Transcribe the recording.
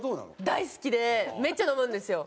大好きでめっちゃ飲むんですよ。